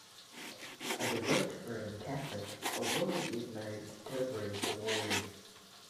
A devout Roman Catholic, Awori is married to Rose Awori.